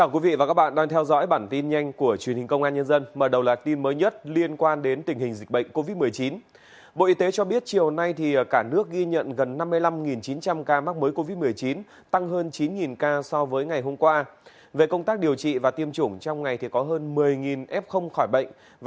các bạn hãy đăng ký kênh để ủng hộ kênh của chúng mình nhé